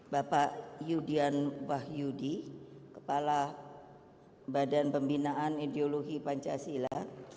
bapak yudian wahyudi kepala badan pembinaan ideologi pancasila